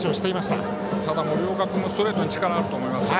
ただ、森岡君もストレートに力があると思います。